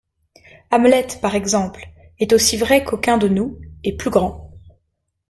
Hamlet, par exemple, est aussi vrai qu’aucun de nous, et plus grand.